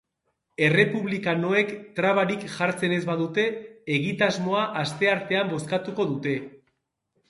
Errepublikanoek trabarik jartzen ez badute, egitasmoa asteartean bozkatuko dute.